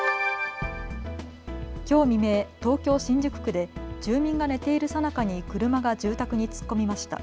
きょう未明、東京新宿区で住民が寝ているさなかに車が住宅に突っ込みました。